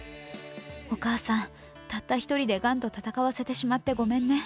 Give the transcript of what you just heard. お母さん、たった１人でがんと闘わせてしまってごめんね。